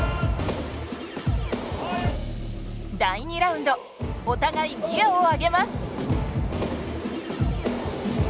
第２ラウンドお互いギアを上げます。